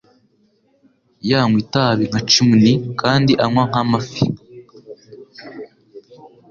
Yanywa itabi nka chimney kandi anywa nk'amafi.